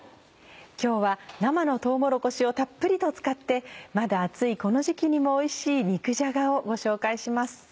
今日は生のとうもろこしをたっぷりと使ってまだ暑いこの時期にもおいしい肉じゃがをご紹介します。